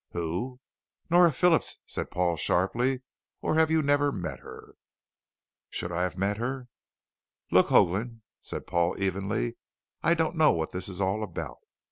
"Who?" "Nora Phillips," said Paul sharply. "Or have you never met her?" "Should I have met her?" "Look, Hoagland," said Paul evenly, "I don't know what this is all about.